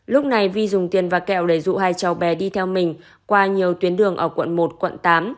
lúc này vi dùng tiền và kẹo để dụ hai cháu bé đi theo mình qua nhiều tuyến đường ở quận một quận tám